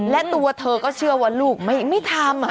และตัวเธอก็เชื่อว่าลูกไม่ทำ